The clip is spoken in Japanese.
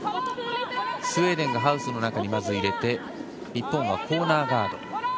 スウェーデンがハウスの中にまず入れて、日本はコーナーガード。